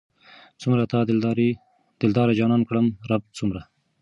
څومره تا دلدار جانان کړم رب څومره